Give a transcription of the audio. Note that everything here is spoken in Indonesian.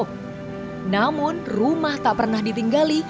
sebelum diberi ruang tamu rumah ini tidak pernah ditinggali